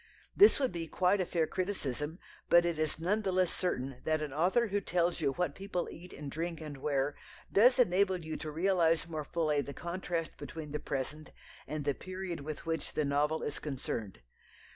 This would be quite a fair criticism, but it is none the less certain that an author who tells you what people eat and drink and wear does enable you to realize more fully the contrast between the present and the period with which the novel is concerned.